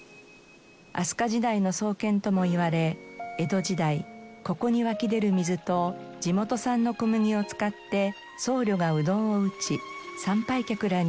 飛鳥時代の創建ともいわれ江戸時代ここに湧き出る水と地元産の小麦を使って僧侶がうどんを打ち参拝客らに振る舞いました。